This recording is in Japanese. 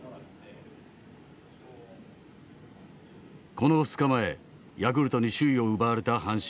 この２日前ヤクルトに首位を奪われた阪神。